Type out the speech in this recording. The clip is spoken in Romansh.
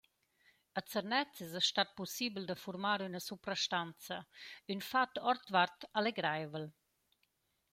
A Zernez esa stat pussibel da fuormar üna suprastanza, ün fat ourdvart allegraivel.